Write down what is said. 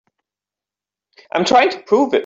I'm trying to prove it.